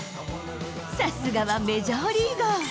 さすがはメジャーリーガー。